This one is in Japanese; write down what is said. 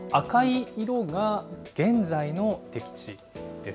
この赤い色が現在の適地です。